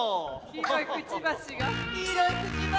黄色いくちばしが。